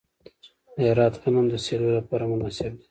د هرات غنم د سیلو لپاره مناسب دي.